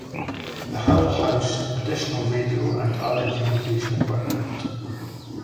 The hull housed additional radios and other communication equipment.